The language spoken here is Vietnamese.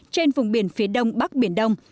trên vùng biển phía đông bắc biển đông